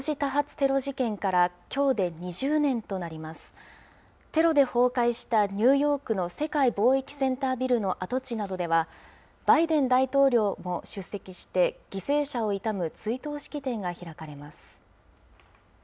テロで崩壊したニューヨークの世界貿易センタービルの跡地などでは、バイデン大統領も出席して、犠牲者を悼む追悼式典が開かれます。